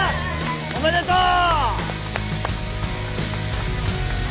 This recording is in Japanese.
おめでとう！